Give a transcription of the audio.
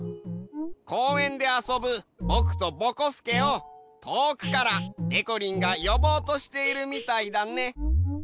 こうえんであそぶぼくとぼこすけをとおくからでこりんがよぼうとしているみたいだね。